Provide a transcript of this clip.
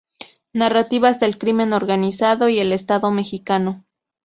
Narrativas del crimen organizado y el Estado mexicano.